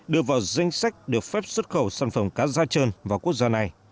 đưa vào danh sách được phép xuất khẩu sản phẩm cá da trơn vào quốc gia này